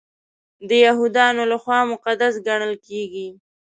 د یهودانو لخوا مقدس ګڼل کیږي.